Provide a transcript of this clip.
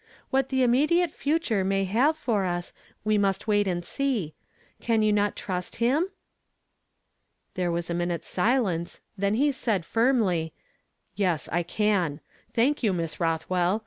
What the immediate future may iiave for us, we must wait and see. Can you not trust him? " There was a minute's silence, then he said finnly, Yes, I can. Thank you, Miss Rothwell.